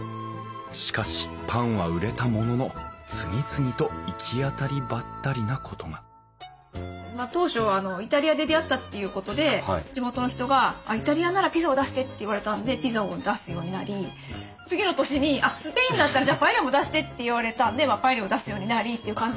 しかしパンは売れたものの次々といきあたりばったりなことがまあ当初イタリアで出会ったということで地元の人が「イタリアならピザを出して」って言われたんでピザを出すようになり次の年に「あっスペインだったらじゃあパエリアも出して」って言われたんでパエリアを出すようになりっていう感じで。